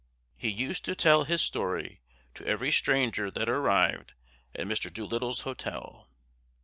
He used to tell his story to every stranger that arrived at Mr. Doolittle's hotel.